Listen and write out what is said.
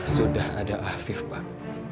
sudah ada afif pak